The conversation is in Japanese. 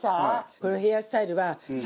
このヘアスタイルは皿。